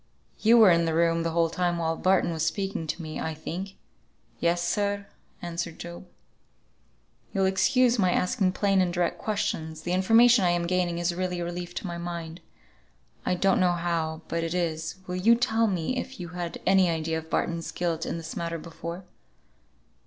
"You were in the room the whole time while Barton was speaking to me, I think?" "Yes, sir," answered Job. "You'll excuse my asking plain and direct questions; the information I am gaining is really a relief to my mind, I don't know how, but it is, will you tell me if you had any idea of Barton's guilt in this matter before?"